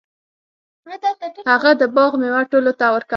هغه د باغ میوه ټولو ته ورکوله.